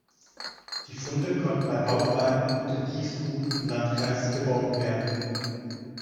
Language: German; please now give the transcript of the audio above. Die Funde konnten bei Bauarbeiten und in Kiesgruben im Landkreis geborgen werden.